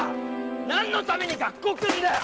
何のために学校来るんだよ！